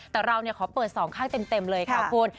แต่เราขอเปิดสองข้างเต็มเลยค่ะคุณ